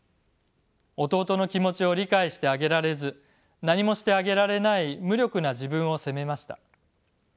弟の気持ちを理解してあげられず何もしてあげられない無力な自分を責めました。